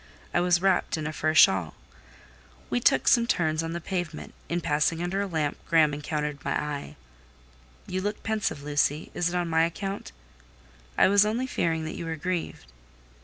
I was wrapped in a fur shawl. We took some turns on the pavement; in passing under a lamp, Graham encountered my eye. "You look pensive, Lucy: is it on my account?" "I was only fearing that you were grieved."